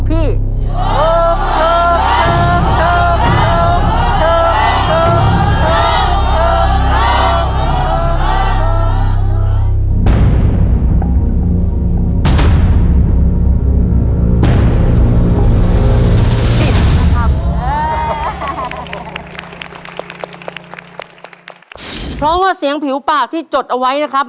เพราะว่าเสียงผิวปากที่จดเอาไว้นะครับ